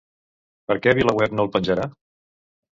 Per què VilaWeb no el penjarà?